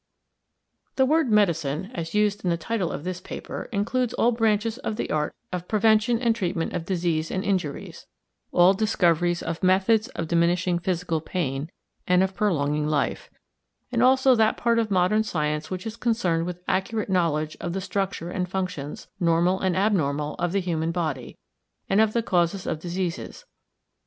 ] The word "medicine," as used in the title of this paper, includes all branches of the art of prevention and treatment of disease and injuries; all discoveries of methods of diminishing physical pain and of prolonging life, and also that part of modern science which is concerned with accurate knowledge of the structure and functions, normal and abnormal, of the human body, and of the causes of diseases.